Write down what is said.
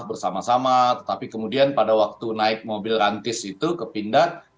bersama sama tetapi kemudian pada waktu naik mobil rantis itu kepindah